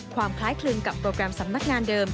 ความคล้ายคลึงกับโปรแกรมสำนักงานเดิม